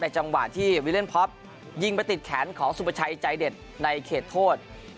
จังหวะที่วิเล่นพ็อปยิงไปติดแขนของสุประชัยใจเด็ดในเขตโทษ